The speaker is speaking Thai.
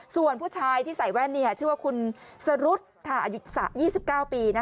ส่วนผู้ชายที่ใส่แว่นชื่อว่าคุณสรุธอายุ๒๙ปี